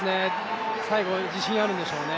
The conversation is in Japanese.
最後、自信があるんでしょうね。